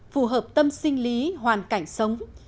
phù hợp tâm sinh lý hoàn cảnh sống